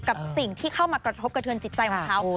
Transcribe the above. กับสิ่งที่เข้ามากระทบกระเทือนจิตใจของเขา